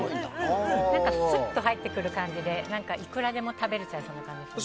スッと入ってくる感じでいくらでも食べれちゃいそうな感じですね。